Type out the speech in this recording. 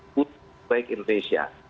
food bank indonesia